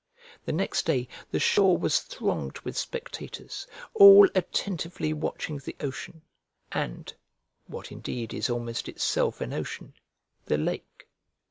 The next day the shore was thronged with spectators, all attentively watching the ocean, and (what indeed is almost itself an ocean) the lake.